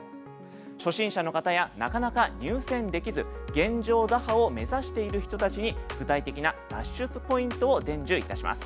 初心者の方やなかなか入選できず現状打破を目指している人たちに具体的な脱出ポイントを伝授いたします。